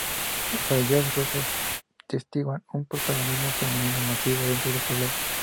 Los hallazgos atestiguan un protagonismo femenino masivo dentro del poblado.